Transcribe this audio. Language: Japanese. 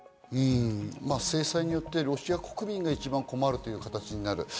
制裁によってロシア国民が一番困るという形になる。